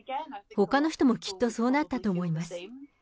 ほかの人も、きっとそうなったと思います。